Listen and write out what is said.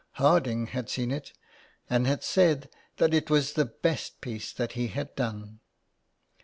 Harding had seen it, and had said that it was the best piece that he had done.